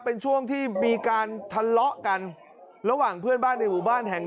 เป็นช่วงที่มีการทะเลาะกันระหว่างเพื่อนบ้านในหมู่บ้านแห่ง